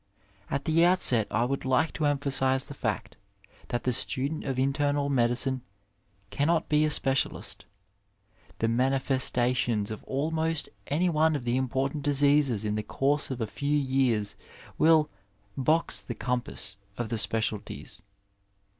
At the outset I would like to emphasize the &ct that the student of internal medicine cannot be a specialist. The manifestations of almost any one of the important diseases in the course of a few years will '^ box the com pass" of the specialties.